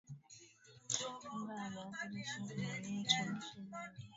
unga wa viazi lishe una virutubisho vingi